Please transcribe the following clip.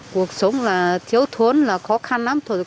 cuộc sống là thiếu thốn là khó khăn lắm